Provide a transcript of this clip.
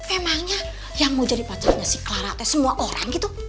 emangnya yang mau jadi pacarnya si klaratnya semua orang gitu